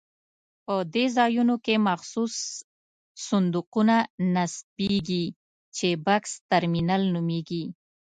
په دې ځایونو کې مخصوص صندوقونه نصبېږي چې بکس ترمینل نومېږي.